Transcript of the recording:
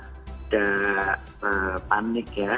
tidak panik ya